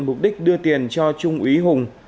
mục đích đưa tiền cho trung úy hùng